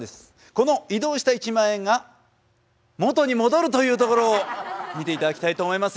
この移動した１万円が元に戻るというところを見ていただきたいと思います。